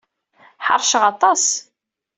Ḥeṛceɣ aṭas.